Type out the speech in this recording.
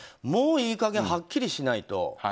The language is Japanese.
もういい加減はっきりしないと。